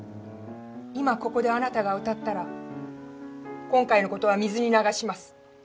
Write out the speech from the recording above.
今ここであなたが歌ったら今回のことは水に流します。